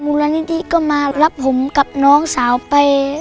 มูลนิธิก็มารับผมกับน้องสาวไป